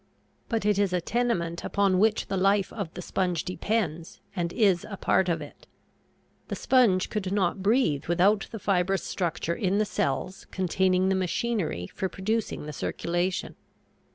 But it is a tenement upon which the life of the sponge depends, and is a part of it. The sponge could not breathe without the fibrous structure in the cells containing the machinery for producing the circulation.